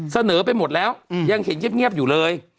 เสนอไปหมดแล้วยังเห็นเงียบอยู่เลย